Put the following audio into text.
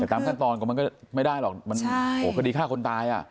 แต่ตามขั้นตอนก็มันก็ไม่ได้หรอกมันคดีฆ่าคนตาย